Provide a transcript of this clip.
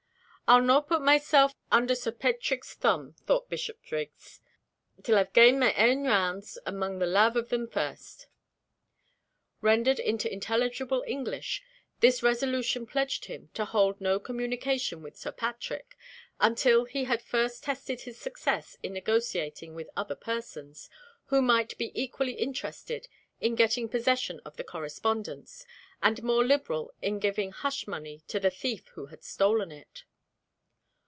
"I'll no' put myself under Sir Paitrick's thumb," thought Bishopriggs, "till I've gane my ain rounds among the lave o' them first." Rendered into intelligible English, this resolution pledged him to hold no communication with Sir Patrick until he had first tested his success in negotiating with other persons, who might be equally interested in getting possession of the correspondence, and more liberal in giving hush money to the thief who had stolen it.